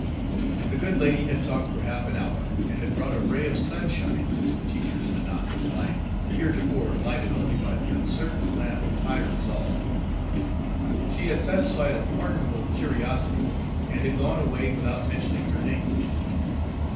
The good lady had talked for half an hour, and had brought a ray of sunshine into the teacher's monotonous life, heretofore lighted only by the uncertain lamp of high resolve. She had satisfied a pardonable curiosity, and had gone away without mentioning her name.